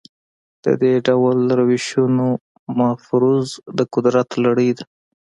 د دې ډول روشونو مفروض د قدرت لړۍ ده.